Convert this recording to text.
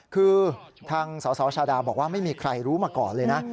คือทางสสชาดาบอกว่าไม่มีใครรู้มาก่อนเลยนะ